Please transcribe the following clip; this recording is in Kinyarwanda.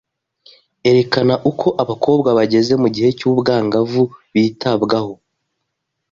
Erekana uko abakobwa bageze mu gihe cy’ubwangavu bitabwagaho